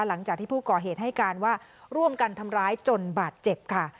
หลังจากที่ผู้ก่อเหตุให้การว่าร่วมกันทำร้ายจนบาดเจ็บค่ะ